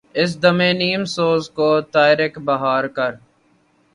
اس دم نیم سوز کو طائرک بہار کر